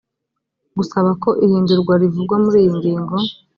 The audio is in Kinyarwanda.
gusaba ko ihindurwa rivugwa muri iyi ngingo